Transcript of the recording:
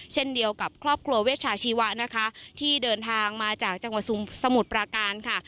เช่นเดียวกับครอบครัวเวชชาชีวะนะคะที่เดินทางมาจากจังหวัดสมุทรปราการค่ะ